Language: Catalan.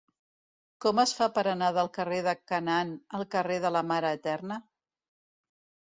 Com es fa per anar del carrer de Canaan al carrer de la Mare Eterna?